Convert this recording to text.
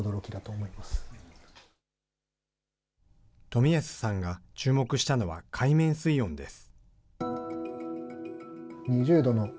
富安さんが注目したのは、海面水温です。